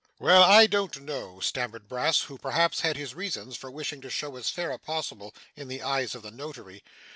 'Well, I don't know,' stammered Brass, who perhaps had his reasons for wishing to show as fair as possible in the eyes of the notary.